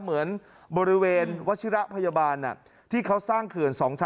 เหมือนบริเวณวัชิระพยาบาลที่เขาสร้างเขื่อน๒ชั้น